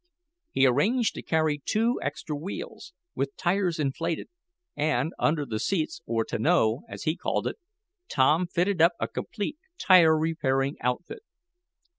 He arranged to carry two extra wheels, with tires inflated, and, under the rear seats, or tonneau, as he called it, Tom fitted up a complete tire repairing outfit.